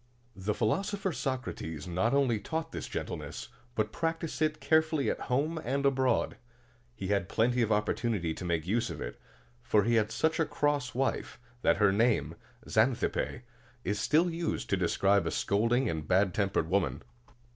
The philosopher Socrates not only taught this gentleness, but practiced it carefully at home and abroad. He had plenty of opportunity to make use of it; for he had such a cross wife, that her name, Xan thip´pe, is still used to describe a scolding and bad tempered woman.